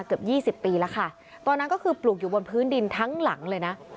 เกือบยี่สิบปีแล้วค่ะตอนนั้นก็คือปลูกอยู่บนพื้นดินทั้งหลังเลยนะ